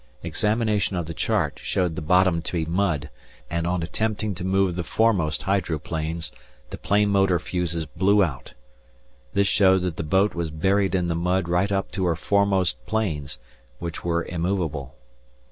Examination of the chart, showed the bottom to be mud, and on attempting to move the foremost hydroplanes, the plane motor fuses blew out. This showed that the boat was buried in the mud right up to her foremost planes, which were immovable.